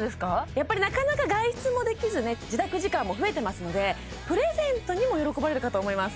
やっぱりなかなか外出もできずね自宅時間も増えてますのでプレゼントにも喜ばれるかと思います